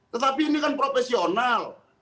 tetapi ini kan profesional